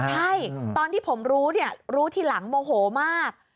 ใช่ตอนที่ผมรู้เนี่ยรู้รู้ทีหลังโมโหมาก